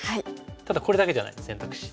ただこれだけじゃないです選択肢。